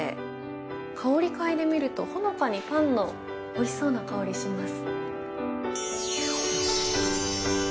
香り嗅いでみるとほのかにパンのおいしそうな香りします。